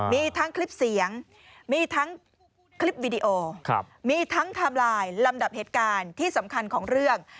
มีทั้งคลิปเสียงมีทั้งคลิปวิดีโอมีทั้งไทม์ไลน์ลำดับเหตุการณ์ที่สำคัญของเรื่อง